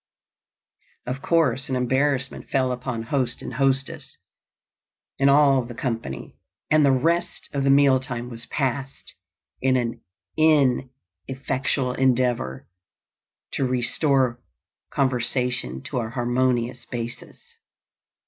Of course an embarrassment fell upon host and hostess and all the company, and the rest of the meal time was passed in an ineffectual endeavor to restore conversation to a harmonious basis.